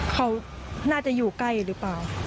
เขาน่าจะอยู่ใกล้หรือเปล่า